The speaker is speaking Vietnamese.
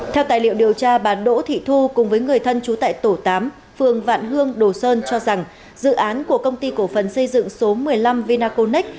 theo tài liệu điều tra bà đỗ thị thu cùng với người thân chú tại tổ tám phường vạn hương đồ sơn cho rằng dự án của công ty cổ phần xây dựng số một mươi năm vinaconex